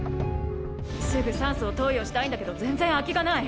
すぐ酸素を投与したいんだけど全然空きがない。